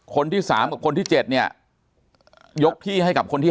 คนที่๓กับคนที่๗เนี่ยยกที่ให้กับคนที่